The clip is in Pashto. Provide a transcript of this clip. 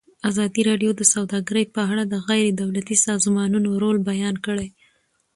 ازادي راډیو د سوداګري په اړه د غیر دولتي سازمانونو رول بیان کړی.